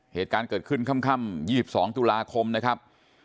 เหตุการณ์เกิดขึ้นค่ำ๒๒ตุลาคมนะครับ